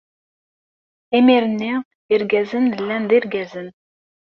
Imir-nni, irgazen llan d irgazen.